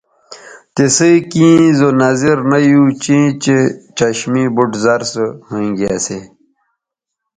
تِسئ کیں زو نظر نہ یو چیں چہء چشمے بُٹ زر سو ھوینگے اسی